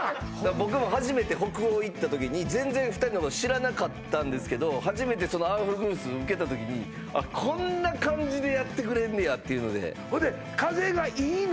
僕も初めて「北欧」行った時に全然２人のこと知らなかったんですけど初めてそのアウフグース受けた時にあっこんな感じでやってくれんねやっていうのでほいで風がいいの？